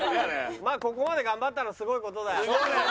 まあここまで頑張ったのすごい事だよ。